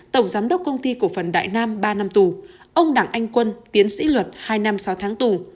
tổng giám đốc công ty cổ phần đại nam ba năm tù ông đảng anh quân tiến sĩ luật hai năm sáu tháng tù